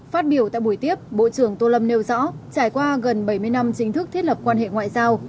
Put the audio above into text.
phát biểu tại buổi tiếp bộ trưởng tô lâm nêu rõ trải qua gần bảy mươi năm chính thức thiết lập quan hệ ngoại giao